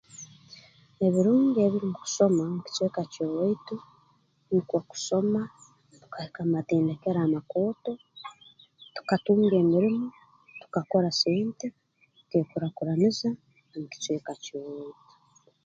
Ebirungi ebiri mu kusoma mu kicweka ky'owaitu nukwo kusoma okahika mu matendekero amakooto tukatunga emirimo tukakora sente tukeekurakuraniza mu kicweka ky'owaitu